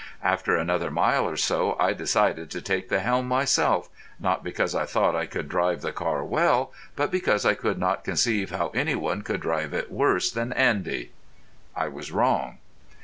After another mile or so I decided to take the helm myself, not because I thought I could drive the car well, but because I could not conceive how any one could drive it worse than Andy. I was wrong.